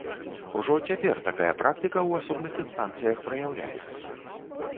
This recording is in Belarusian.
Ужо цяпер такая практыка ў асобных інстанцыях праяўляецца.